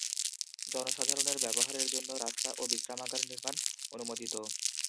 জনসাধারণের ব্যবহারের জন্য রাস্তা ও বিশ্রামাগার নির্মাণ অনুমোদিত।